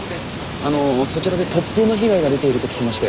あのそちらで突風の被害が出ていると聞きまして。